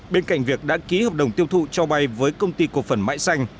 bên cạnh việc đã ký hợp đồng tiêu thụ cho bay với công ty cổ phần mãi xanh